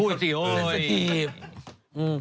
พูดอีกนิดนึง